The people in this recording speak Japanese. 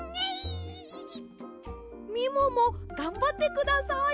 みももがんばってください。